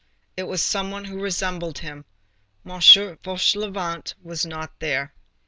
It was some one who resembled him. M. Fauchelevent was not there."